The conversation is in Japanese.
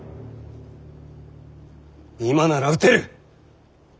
今なら討てる！